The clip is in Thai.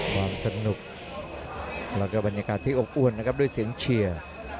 ความสนุกแล้วก็บรรยากาศที่อบอ้วนนะครับด้วยเสียงเชียร์